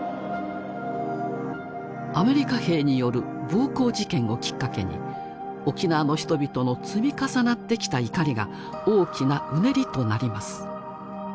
アメリカ兵による暴行事件をきっかけに沖縄の人々の積み重なってきた怒りが大きなうねりとなります。